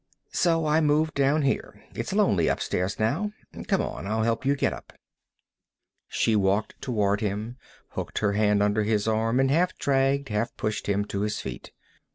"So I moved down here. It's lonely upstairs now. Come on; I'll help you get up." She walked toward him, hooked her hand under his arm, and half dragged, half pushed him to his feet.